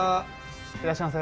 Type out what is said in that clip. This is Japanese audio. いらっしゃいませ。